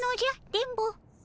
電ボ。